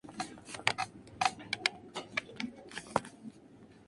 Durante años la principal figura de la Academia Dominicana de la Lengua.